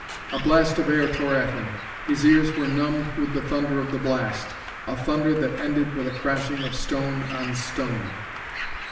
A blast of air tore at him; his ears were numbed with the thunder of the blast a thunder that ended with a crashing of stone on stone....